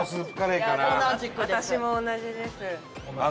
私も同じです。